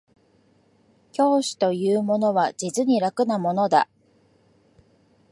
教師というものは実に楽なものだ